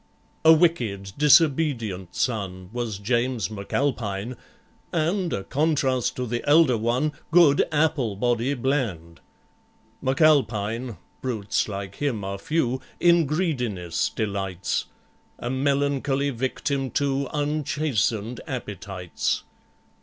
A wicked, disobedient son Was JAMES M'ALPINE, and A contrast to the elder one, Good APPLEBODY BLAND. M'ALPINE—brutes like him are few— In greediness delights, A melancholy victim to Unchastened appetites.